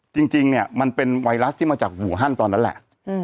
จริงเนี่ยมันเป็นไวรัสที่มาจากหูฮั่นตอนนั้นแหละ